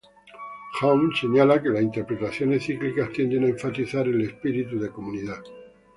Hawn señala que las interpretaciones cíclicas tienden a enfatizar el espíritu de comunidad.